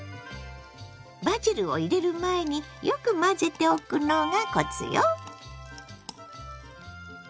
バジルを入れる前によく混ぜておくのがコツよ。